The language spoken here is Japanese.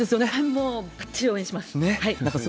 もうばっちり応援します。